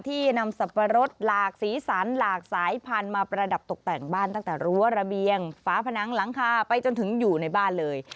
นำสับปะรดหลากสีสันหลากสายพันธุ์มาประดับตกแต่งบ้านตั้งแต่รั้วระเบียงฝาผนังหลังคาไปจนถึงอยู่ในบ้านเลย